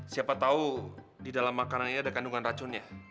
siapa tahu di dalam makanan ini ada kandungan racunnya